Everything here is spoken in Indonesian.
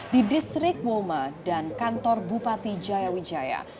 di distrik woma dan kantor bupati jaya wijaya